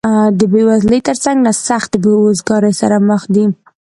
د بېوزلۍ تر څنګ له سختې بېروزګارۍ سره مخ دي